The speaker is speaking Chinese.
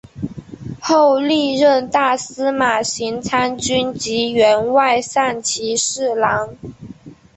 后历任大司马行参军及员外散骑侍郎。